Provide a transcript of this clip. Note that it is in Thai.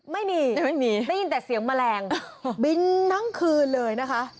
ไม่มีไม่มีได้ยินแต่เสียงแมลงบินทั้งคืนเลยนะคะ